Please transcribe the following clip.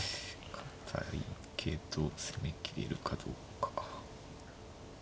堅いけど攻めきれるかどうか。